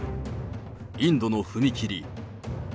インドの踏切。